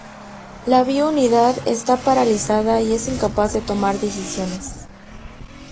La bio unidad esta paralizada y es incapaz de tomar decisiones.